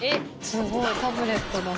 「すごいタブレットが」